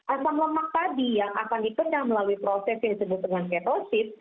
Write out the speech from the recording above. asam lemak tadi yang akan dipecah melalui proses yang disebut dengan ketosit